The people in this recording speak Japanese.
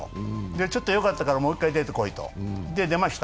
ちょっとよかったからもう一回出てこいと、で、出ました。